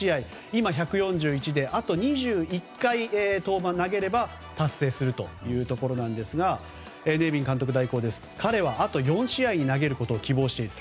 今、１４１であと２１回投げれば達成するというところなんですがネビン監督代行は彼はあと４試合投げることを希望している。